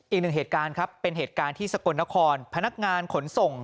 อีกหนึ่งเหตุการณ์ครับเป็นเหตุการณ์ที่สกลนครพนักงานขนส่ง